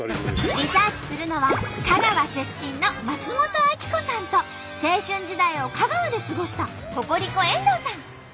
リサーチするのは香川出身の松本明子さんと青春時代を香川で過ごしたココリコ遠藤さん。